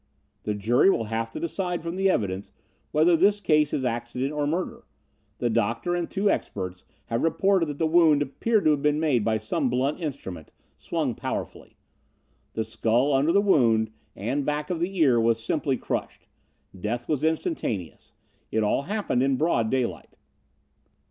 "The jury will have to decide from the evidence whether this case is accident or murder. The doctor and two experts have reported that the wound appeared to have been made by some blunt instrument, swung powerfully. The skull under the wound and back of the ear was simply crushed. Death was instantaneous. It all happened in broad daylight."